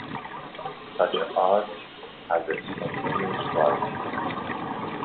Such art has a spontaneous quality.